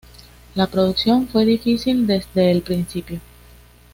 La producción fue difícil desde el principio.